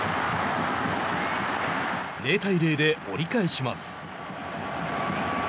０対０で折り返します。